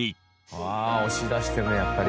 わあ押し出してるねやっぱり。